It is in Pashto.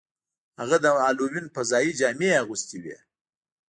هغه د هالووین فضايي جامې اغوستې وې